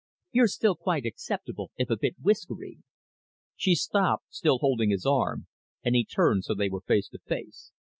"You're still quite acceptable, if a bit whiskery." She stopped, still holding his arm, and he turned so they were face to face.